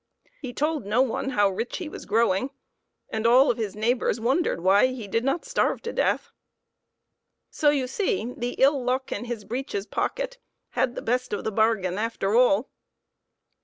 He told no one how rich he was growing, and all of his neighbors wondered why he did not starve to death. So you see the ill luck in his breeches pocket had the best of the bargain after all.